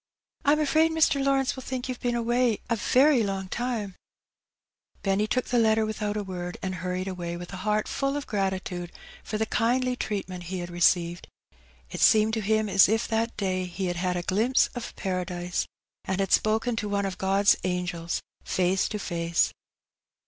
'^ Vm afraid Mr. Lawrence will think youVe been away a very long time/' Benny took the letter without a word^ and hurried away with a heart fall of gratitude for the kindly treatment he had received. It seemed to him as if tiiat day he had had a glimpse of Paradise^ and had spoken to one of God's angels face to face.